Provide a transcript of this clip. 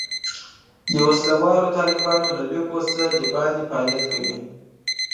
د وسله والو طالبانو له لیکو څخه د باندې فعالیت کوي.